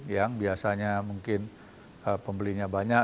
yang biasanya mungkin pembelinya banyak